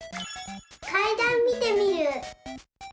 「かいだん」見てみる。